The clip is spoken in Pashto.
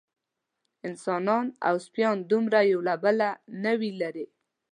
انسانان او سپیان دومره یو له بله نه وي لېرې.